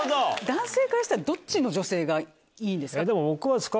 男性からしたらどっちの女性がいいんですか？